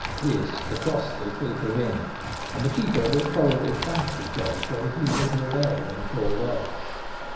This the cross stick will prevent, and the keeper will probably thrash his dog for refusing to obey when called off.